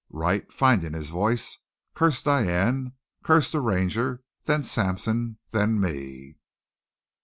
Wright, finding his voice, cursed Diane, cursed the Ranger, then Sampson, then me.